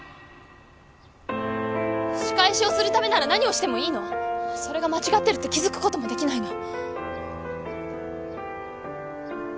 仕返しをするためなら何をしてもいいの？それが間違ってるって気付くこともできないの？